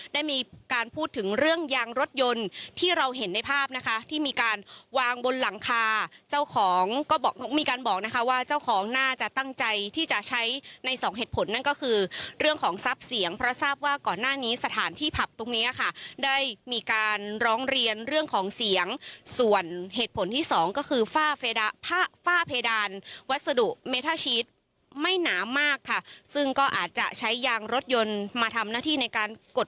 ได้มีการพูดถึงเรื่องยางรถยนต์ที่เราเห็นในภาพนะคะที่มีการวางบนหลังคาเจ้าของก็บอกมีการบอกนะคะว่าเจ้าของน่าจะตั้งใจที่จะใช้ในสองเหตุผลนั้นก็คือเรื่องของซับเสียงเพราะทราบว่าก่อนหน้านี้สถานที่ผับตรงเนี้ยค่ะได้มีการร้องเรียนเรื่องของเสียงส่วนเหตุผลที่สองก็คือฝ้าเฟดาฝ้าเพดานวัสดุไม่หนามากค